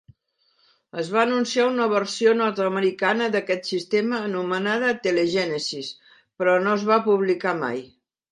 Es va anunciar una versió nord-americana d'aquest sistema, anomenada "Tele-Genesis", però no es va publicar mai.